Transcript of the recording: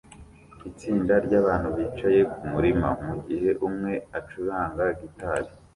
Itsinda ryabantu bicaye kumurima mugihe umwe acuranga gitari